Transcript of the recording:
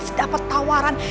sudah dapat tawaran